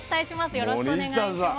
よろしくお願いします。